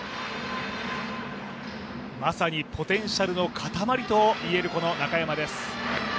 まさにポテンシャルの塊と言える中山です。